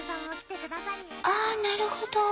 あなるほど！